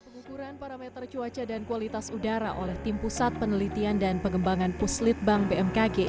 pengukuran parameter cuaca dan kualitas udara oleh tim pusat penelitian dan pengembangan puslit bank bmkg